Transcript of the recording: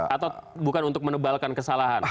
atau bukan untuk menebalkan kesalahan